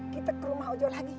kita ke rumah ojo lagi